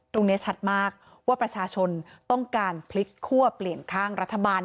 ตรงนี้ชัดมากว่าประชาชนต้องการพลิกคั่วเปลี่ยนข้างรัฐบาล